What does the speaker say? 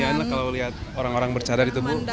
kasihan lah kalau lihat orang orang bercadar itu